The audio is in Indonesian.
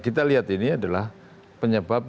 kita lihat ini adalah penyebab